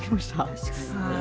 確かにね。